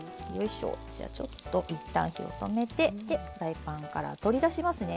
じゃちょっと一旦火を止めてフライパンから取り出しますね。